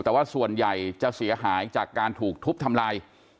แต่ว่าส่วนใหญ่จะเสียหายจากการถูกทุบทำลาย